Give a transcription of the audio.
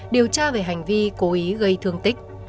điều tra về hành vi cố ý gây thương tích